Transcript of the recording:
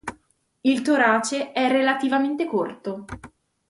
Il torace è relativamente corto.